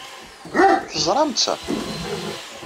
Terẓamt-tt?